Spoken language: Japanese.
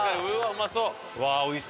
うまそう！